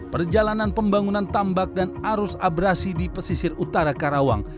perjalanan pembangunan tambak dan arus abrasi di pesisir utara karawang